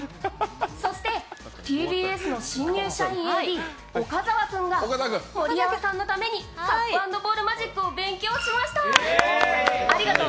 そしてＴＢＳの新入社員ＡＤ・岡澤君が盛山さんのために、カップ＆ボールマジックを勉強しました。